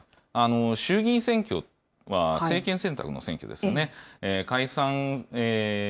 衆議院選挙は政権選択の選挙ですよね。